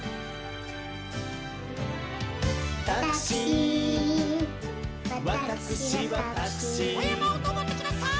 「タクシーわたくしはタクシー」おやまをのぼってください！